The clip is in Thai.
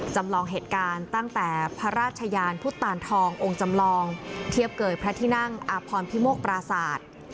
จำลองเหตุการณ์ตั้งแต่พระราชยานพุทธตานทององค์จำลองเทียบเกยพระที่นั่งอาพรพิโมกปราศาสตร์